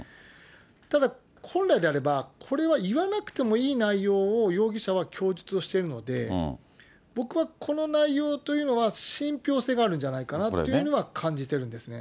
ただ本来であれば、これは言わなくてもいい内容を容疑者は供述をしているので、僕はこの内容というのは、信ぴょう性があるんじゃないかなっていうのは感じてるんですね。